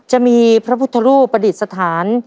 จะมีพระพุทธรูปปริตสถาร